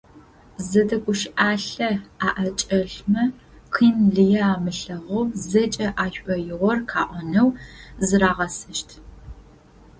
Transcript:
Зэдэгущыӏалъэ аӏэкӏэлъмэ, къин лые амылъэгъоу зэкӏэ ашӏоигъор къаӏонэу зырагъэсэщт.